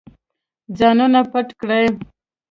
ځانونه پټ کړئ.